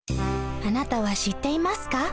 あなたは知っていますか？